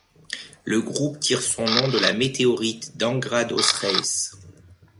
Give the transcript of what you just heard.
Le groupe tire son nom de la météorite d’Angra dos Reis.